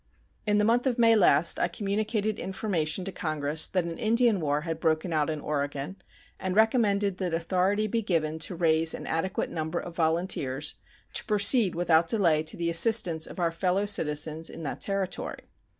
In the month of May last I communicated information to Congress that an Indian war had broken out in Oregon, and recommended that authority be given to raise an adequate number of volunteers to proceed without delay to the assistance of our fellow citizens in that Territory.